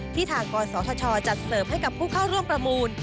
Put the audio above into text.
ทางกศธชจัดเสิร์ฟให้กับผู้เข้าร่วมประมูล